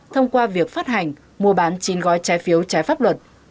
thông qua việc phát hành mua bán chín gói trái phiếu trái pháp luật